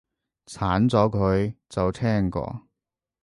鏟咗佢，就聽過